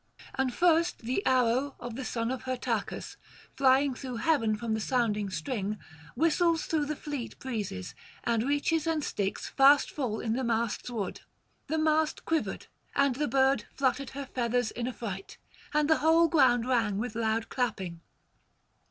And first the arrow of the son of Hyrtacus, flying through heaven from the sounding string, whistles through the fleet breezes, and reaches and sticks fast full in the mast's wood: the mast quivered, and the bird fluttered her feathers in affright, and the whole ground rang with loud clapping.